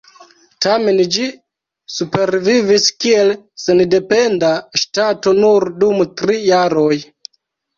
Tamen ĝi supervivis kiel sendependa ŝtato nur dum tri jaroj.